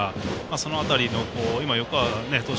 その辺り、横川投手